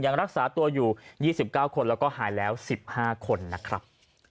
ยังรักษาตัวอยู่๒๙คนแล้วก็หายแล้ว๑๕คนนะครับ